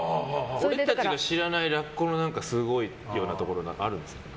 俺たちの知らないラッコのすごいようなところあるんですか。